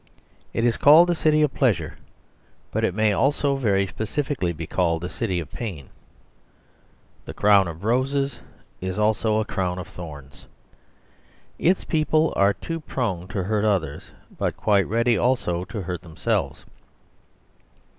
It is called a city of pleasure; but it may also very specially be called a city of pain. The crown of roses is also a crown of thorns. Its people are too prone to hurt others, but quite ready also to hurt themselves.